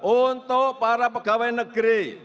untuk para pegawai negeri